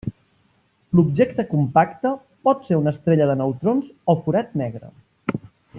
L'objecte compacte pot ser una estrella de neutrons o forat negre.